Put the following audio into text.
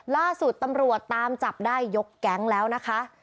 ล่าสุดตำรวจตามจับได้ยกแก๊งแล้วนะคะ